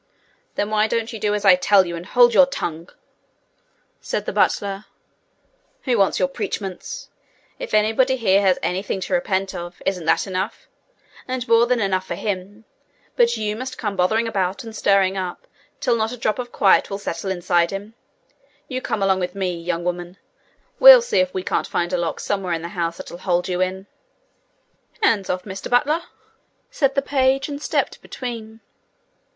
'Then why don't you do as I tell you, and hold your tongue?' said the butler. 'Who wants your preachments? If anybody here has anything to repent Of, isn't that enough and more than enough for him but you must come bothering about, and stirring up, till not a drop of quiet will settle inside him? You come along with me, young woman; we'll see if we can't find a lock somewhere in the house that'll hold you in!' 'Hands off, Mr Butler!' said the page, and stepped between.